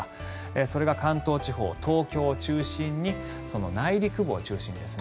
それが関東地方東京中心、内陸部を中心にですね